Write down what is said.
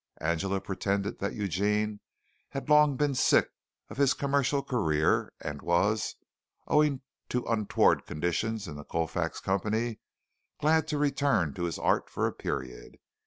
Angela pretended that Eugene had long been sick of his commercial career and was, owing to untoward conditions in the Colfax Company, glad to return to his art for a period.